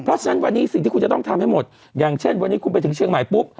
เพราะฉะนั้นวันนี้สิ่งที่คุณจะต้องทำให้หมดอย่างเช่นวันนี้คุณไปถึงเชียงใหม่ปุ๊บ